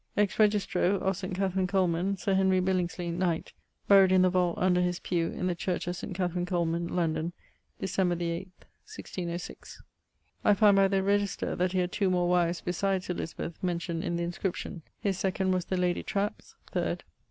Ex registro : Sir Henry Billingsley, knight, buried in the vault under his pewe in the church of St. Catherine Coleman, London, December the 18th, 1606. I find by the register that he had two more wives besides Elizabeth mentioned in the inscription; his second was the lady Trapps; third